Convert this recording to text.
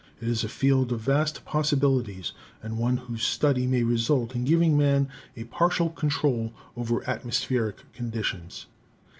It is a field of vast possibilities and one whose study may result in giving Man a partial control over atmos pheric conditions.